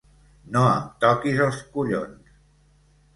No em toquis els collons!